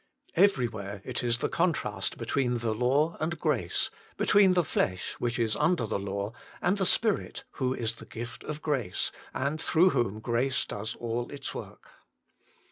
Everywhere it is the contrast between the law and grace, between the flesh, which is under the law, and the Spirit, who is the gift of grace, and through whom WHO SHALL DELIVER? 85 grace does all its work.